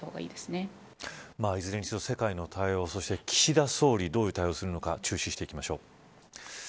いずれにせよ世界の対応そして、岸田総理がどう対応するのか注視していきましょう。